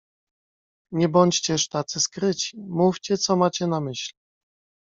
"Nie bądźcież tacy skryci, mówcie co macie na myśli."